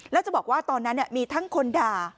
แล้วจะบอกว่าตอนนั้นมีทั้งคนด่า